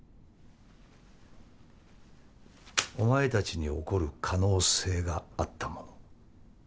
お前たちに起こる可能性があったもの。